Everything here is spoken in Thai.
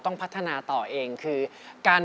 ส่งที่คืน